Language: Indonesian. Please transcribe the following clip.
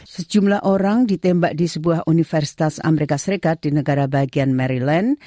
sejumlah orang ditembak di sebuah universitas amerika serikat di negara bagian maryland